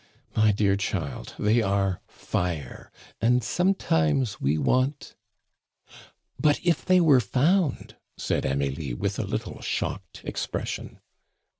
My dear child, they are fire, and sometimes we want " "But if they were found!" said Amelie, with a little shocked expression.